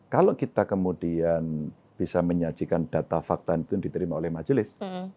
kalau kita kemudian bisa menyajikan data fakta itu yang diterima oleh majelis